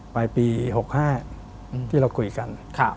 ไปปี๖๕ที่เราคุยกัน